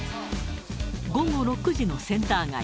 午後６時のセンター街。